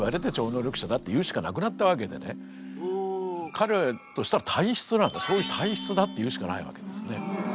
彼としたら体質なのでそういう体質だって言うしかないわけですね。